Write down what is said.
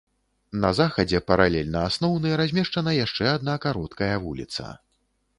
На захадзе, паралельна асноўны, размешчана яшчэ адна кароткая вуліца.